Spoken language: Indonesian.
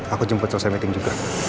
aku jemput selesai meeting juga